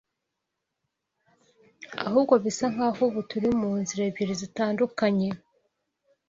ahubwo bisa nk’aho ubu turi mu nzira ebyiri zitandukanye.